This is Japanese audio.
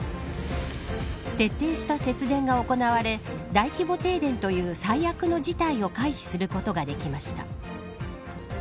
徹底した節電が行われ大規模停電という最悪の事態を回避することができました。